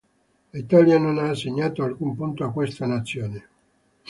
L'Italia non ha assegnato alcun punto a questa nazione.